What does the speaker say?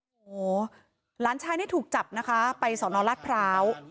โอ้โหหลานชายนี่ถูกจับนะคะไปสอนอรัฐพร้าว